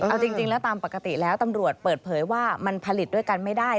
เอาจริงแล้วตามปกติแล้วตำรวจเปิดเผยว่ามันผลิตด้วยกันไม่ได้